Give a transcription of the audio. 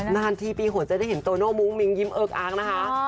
นาทีปีขวนจะได้เห็นโตโน้มู่งมิ้งยิ้มเอิ๊กอากนะฮะ